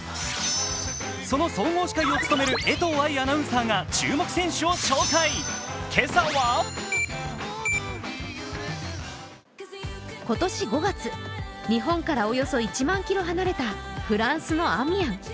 その総合司会を務める江藤愛アナウンサーが注目選手を紹介、今朝は今年５月、日本からおよそ１万キロ離れたフランスのアミアン。